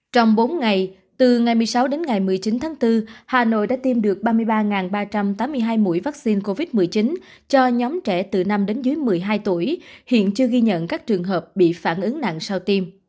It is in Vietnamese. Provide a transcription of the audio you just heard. trong bốn ngày từ ngày một mươi sáu đến ngày một mươi chín tháng bốn hà nội đã tiêm được ba mươi ba ba trăm tám mươi hai mũi vaccine covid một mươi chín cho nhóm trẻ từ năm đến dưới một mươi hai tuổi